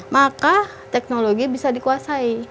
maka teknologi bisa dikuasai